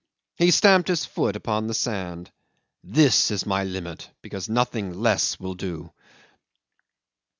He stamped his foot upon the sand. "This is my limit, because nothing less will do."